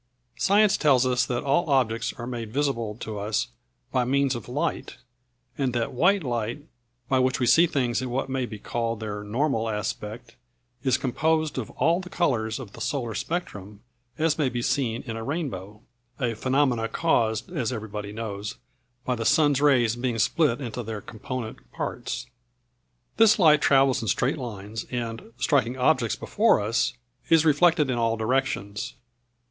Science tells us that all objects are made visible to us by means of light; and that white light, by which we see things in what may be called their normal aspect, is composed of all the colours of the solar spectrum, as may be seen in a rainbow; a phenomenon caused, as everybody knows, by the sun's rays being split up into their component parts. This light travels in straight lines and, striking objects before us, is reflected in all directions.